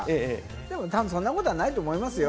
でもたぶんそんなことないと思いますよ。